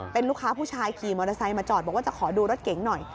เป็นลูกค้าผู้ชายขี่มอเตอร์ไซค์มาจอดบอกว่าจะขอดูรถเก๋งหน่อย